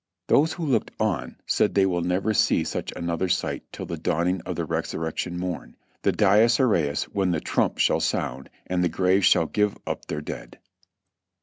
Those who looked on said that they will never see such another sight till the dawning of the resurrection morn, the Dies Iraes when the trump shall sound and the graves shall give up their dead.